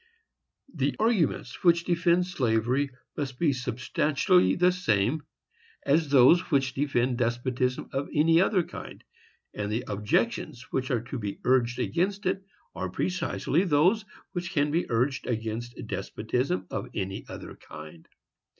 The arguments which defend slavery must be substantially the same as those which defend despotism of any other kind; and the objections which are to be urged against it are precisely those which can be urged against despotism of any other kind.